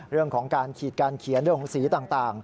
เรื่องของการขีดการเขียนเรื่องของสีต่าง